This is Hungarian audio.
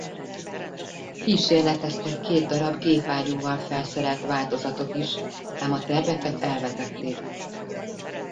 Kísérleteztek két darab gépágyúval felszerelt változatot is ám a terveket elvetették.